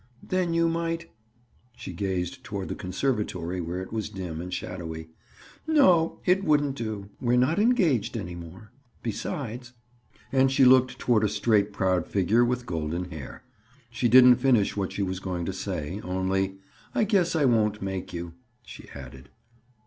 Then you might—" She gazed toward the conservatory where it was dim and shadowy. "No; it wouldn't do. We're not engaged any more. Besides—" And she looked toward a straight proud figure with golden hair. She didn't finish what she was going to say. Only—"I guess I won't make you," she added.